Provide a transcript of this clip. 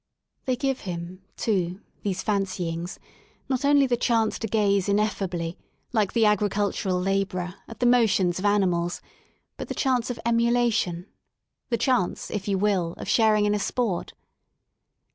They give him, too, these fancyings," not only the chance to gaze ineffably, like the agricultural labourer, at the motions of animals, but the chance of emulation, the chance, if you will, of sharing in a,sport.